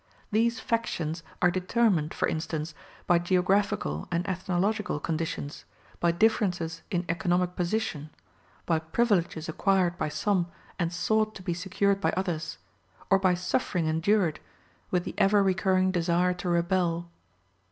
These factions are determined, for instance, by geographical and ethnological conditions, by differences in economic position, by privileges acquired by some and sought to be secured by others, or by suffering endured, with the ever recurring desire to rebel.